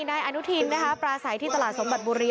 นายอนุทินนะคะปราศัยที่ตลาดสมบัติบุรี